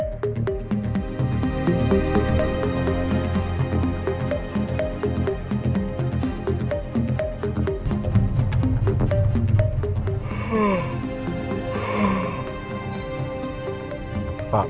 gitu deh mbak tar